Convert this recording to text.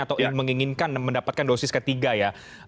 atau menginginkan mendapatkan dosis ketiga ya